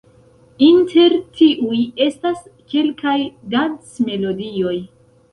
Inter tiuj estas kelkaj dancmelodioj.